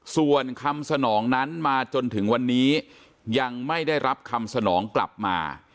ส่วนคำสนองนั้นมาจนถึงวันนี้ยังไม่ได้รับคำสนองกลับมา